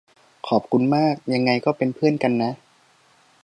ขอบคุณมาก ยังไงก็เป็นเพื่อนกันนะ